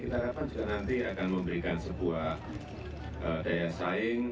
kita harapkan juga nanti akan memberikan sebuah daya saing